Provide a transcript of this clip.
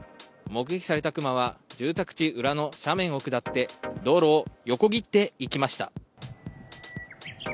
目撃された熊は、住宅地裏の斜面を下って、道路を横切っていきました。